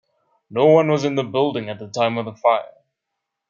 No one was in the building at the time of the fire.